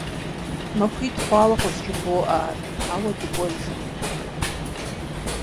Махуитӏ хъуауэ къызжыбоӏэ ар, ауэ дыкӏуэжыркъым…